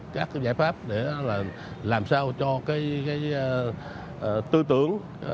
các giải pháp để làm sao cho tư tưởng